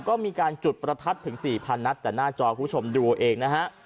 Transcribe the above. ก็มีการจุดประทัดถึง๔๐๐นัดแต่หน้าจอคุณผู้ชมดูเอาเองนะฮะ